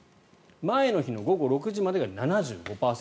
前の日の午後６時までが７５％。